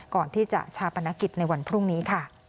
ก่อนที่จะชาปนกิจในวันพรุ่งนี้ค่ะ